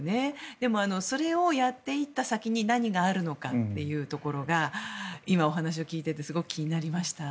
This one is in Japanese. でも、それをやっていった先に何があるのかというところが今のお話を聞いていてすごく気になりました。